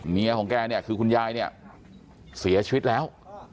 เมียของแกเนี่ยคือคุณยายเนี่ยเสียชีวิตแล้ว